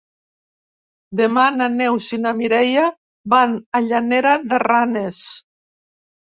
Demà na Neus i na Mireia van a Llanera de Ranes.